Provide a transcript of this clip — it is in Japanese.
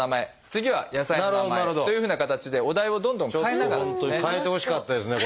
次は野菜の名前というふうな形でお題をどんどん変えながらですね。